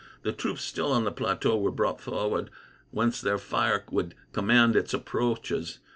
The troops still on the plateau were brought forward, whence their fire would command its approaches.